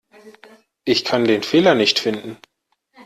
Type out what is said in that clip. Ich kann den Fehler nicht finden.